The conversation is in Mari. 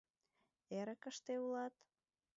Эрыкыште улат?